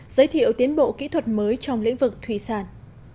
giới thiệu tiến bộ kỹ thuật mới trong lĩnh vực thủy sản